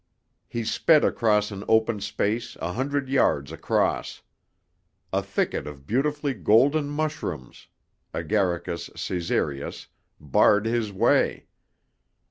He sped across an open space a hundred yards across. A thicket of beautifully golden mushrooms (Agaricus caesareus) barred his way.